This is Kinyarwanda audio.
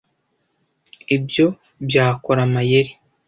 Ibyo byakora amayeri.